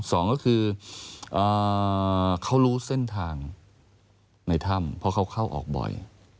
สองก็คือเขารู้เส้นทางในถ้ำเพราะเขาเข้าออกบ่อย